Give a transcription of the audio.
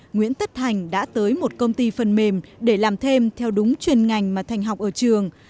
nguyễn tất thành đã tới một công ty phần mềm để làm thêm theo đúng chuyên ngành mà thành học ở trường